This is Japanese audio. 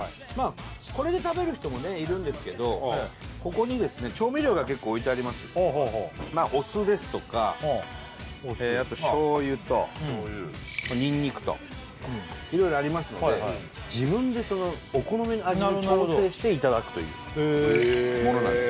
これで食べる人もねいるんですけどここにですね調味料が結構置いてありますお酢ですとかあと醤油とにんにくと色々ありますので自分でそのお好みの味に調整していただくというものなんですよ